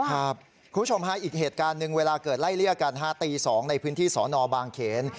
คุณผู้ชมฮะอีกเหตุการณ์หนึ่งเวลาเกิดไล่เลี่ยกัน๕ตี๒ในพื้นที่สอนอบางเขน